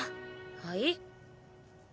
はい？